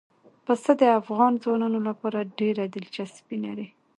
پسه د افغان ځوانانو لپاره ډېره دلچسپي لري.